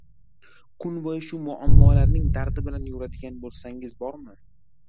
Kun boʻyi shu muammolarning dardi bilan yuradigan boʻlsangiz bormi